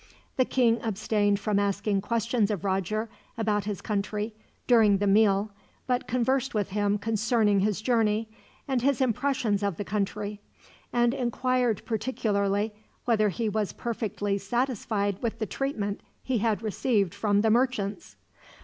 The king abstained from asking questions of Roger about his country, during the meal, but conversed with him concerning his journey, and his impressions of the country; and inquired particularly whether he was perfectly satisfied with the treatment he had received from the merchants.